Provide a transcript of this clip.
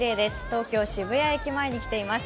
東京・渋谷駅前に来ています。